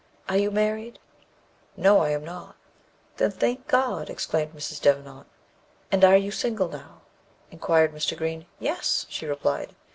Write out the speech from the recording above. Are you married?" "No, I am not." "Then, thank God!" exclaimed Mrs. Devenant. "And are you single now?" inquired Mr. Green. "Yes," she replied.